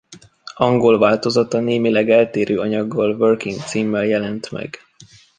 Angol változata némileg eltérő anyaggal Working címmel jelent meg.